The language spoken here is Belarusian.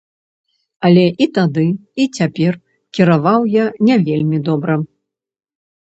Але і тады, і цяпер кіраваў я не вельмі добра.